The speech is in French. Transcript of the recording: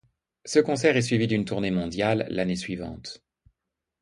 Ce concert est suivi d'une tournée mondiale, l'année suivante.